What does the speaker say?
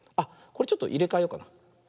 これちょっといれかえようかな。